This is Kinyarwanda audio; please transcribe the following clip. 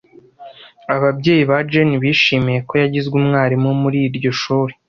Ababyeyi ba Jane bishimiye ko yagizwe umwarimu muri iryo shuri.